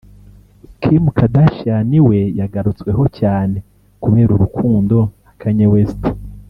Kim Kardashian we yagarutsweho cyane kubera urukundo na Kanye West